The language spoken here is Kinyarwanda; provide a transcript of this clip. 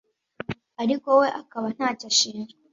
ariko we akaba nta cyo ashinjwa